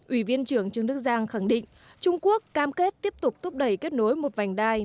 ủy viên trưởng trương đức giang khẳng định trung quốc cam kết tiếp tục thúc đẩy kết nối một vành đai